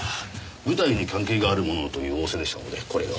舞台に関係があるものをという仰せでしたのでこれを。